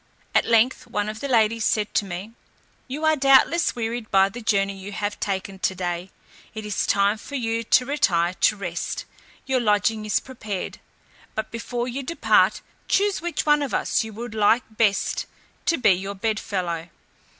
At length one of the ladies said to me, "You are doubtless wearied by the journey you have taken to day; it is time for you to retire to rest; your lodging is prepared: but before you depart choose which of us you like best to be your bedfellow."